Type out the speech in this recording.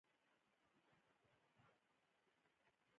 انګریزي پوځونو عملیات پیل کړي وو.